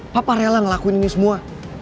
papa rela ngelakuin ini semua